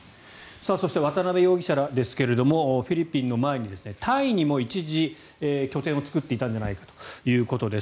そして渡邉容疑者らですがフィリピンの前にタイにも一時拠点を作っていたんじゃないかということです。